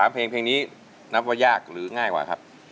เพลงนี้นับว่ายากหรือง่ายกว่าครับ